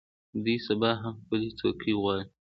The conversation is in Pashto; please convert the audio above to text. دوی سبا هم خپلې څوکۍ غواړي.